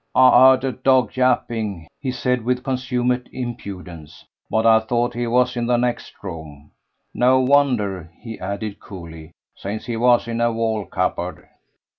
"I heard a dog yapping," he said with consummate impudence, "but I thought he was in the next room. No wonder," he added coolly, "since he was in a wall cupboard."